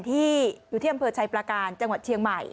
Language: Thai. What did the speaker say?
อยู่ที่อำเภอชัยประการจังหวัดเชียงใหม่